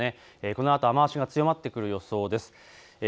このあと雨足が強まってくる予想です。